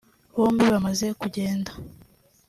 Bombi bamaze kugenda